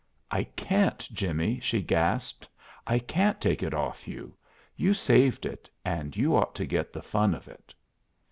"I can't, Jimmie!" she gasped. "I can't take it off you. You saved it, and you ought to get the fun of it."